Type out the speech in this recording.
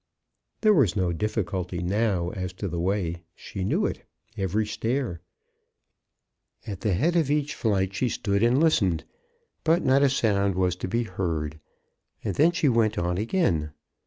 There was no difficulty now as to the way. She knew it, every stair. At the head of each flight she stood and listened, but not a sound was to be heard, and then she went on again.